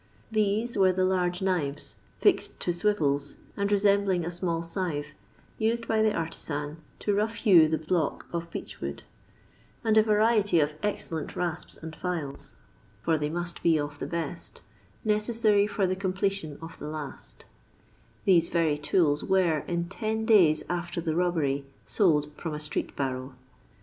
These were the large knives, fixed to swivels, and resembling a small scytiie, used by the artisan to rough hew the bluck of beech wood ; and a variety of excellent rasps and files (for they must be of the best), necessary for tho completion of the last These very tools were, in ten days after the robbery, sold from a street barrow.